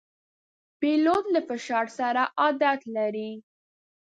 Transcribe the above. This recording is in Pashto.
پیلوټ له فشار سره عادت لري.